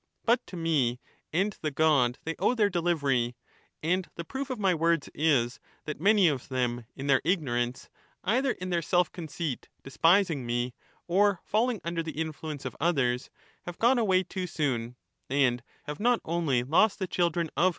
But to me and the god they owe their delivery. And the proof of my words is, that many of them in Thebe their ignorance, either in their self conceit despising me, ^^iourof or falling under the influence of others', have gone away * Reading with the Bodleian MS.